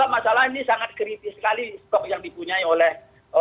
masalah ini sangat kritis sekali stok yang dipunyai oleh